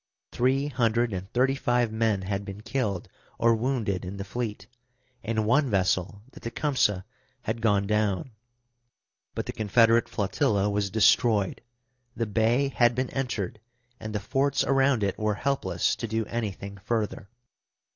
Three hundred and thirty five men had been killed or wounded in the fleet, and one vessel, the Tecumseh, had gone down; but the Confederate flotilla was destroyed, the bay had been entered, and the forts around it were helpless to do anything further.